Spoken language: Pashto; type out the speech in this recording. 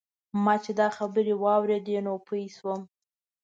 ما چې دا خبرې واورېدې نو پوی شوم.